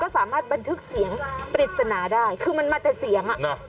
สามารถบันทึกเสียงปริศนาได้คือมันมาแต่เสียงอ่ะนะ